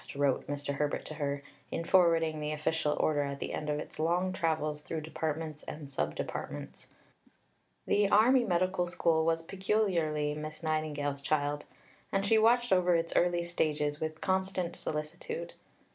wrote Mr. Herbert to her, in forwarding the official order at the end of its long travels through departments and sub departments. The Army Medical School was peculiarly Miss Nightingale's child, and she watched over its early stages with constant solicitude. Mr.